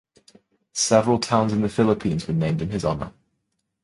Several towns in the Philippines were named in his honor.